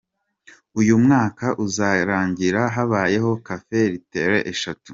Uyu mwaka uzarangira habaye Café Littéraire eshatu.